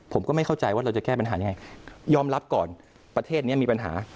ผมก็ไม่เข้าใจว่าเราจะแก้ปัญหายังไงยอมรับก่อนประเทศนี้มีปัญหา